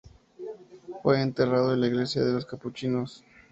Fue enterrado en la Iglesia de los Capuchinos.